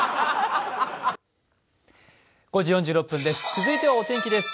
続いてはお天気です。